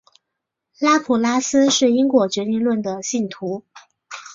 拉普拉斯是因果决定论的信徒。